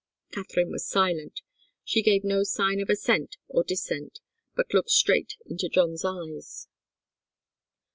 Katharine was silent. She gave no sign of assent or dissent, but looked straight into John's eyes.